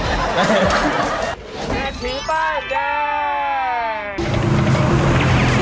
แม่ทิ้งปั้ง